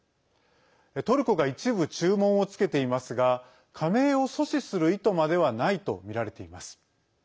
トルコが一部注文をつけていますが加盟を阻止する意図まではないとみられています。